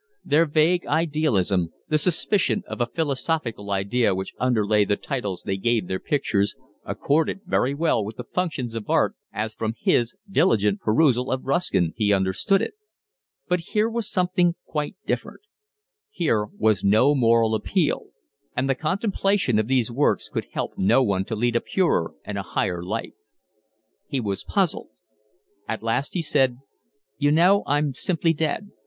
Their vague idealism, the suspicion of a philosophical idea which underlay the titles they gave their pictures, accorded very well with the functions of art as from his diligent perusal of Ruskin he understood it; but here was something quite different: here was no moral appeal; and the contemplation of these works could help no one to lead a purer and a higher life. He was puzzled. At last he said: "You know, I'm simply dead.